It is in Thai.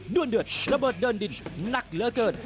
้วนเดือดระเบิดเดินดินหนักเหลือเกิน